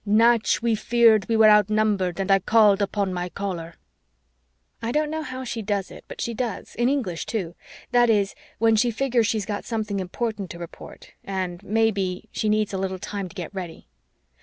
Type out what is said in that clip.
Natch, we feared we were outnumbered and I called upon my Caller." I don't know how she does it, but she does in English too. That is, when she figures she's got something important to report, and maybe she needs a little time to get ready.